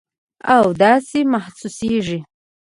او داسې محسوسیږي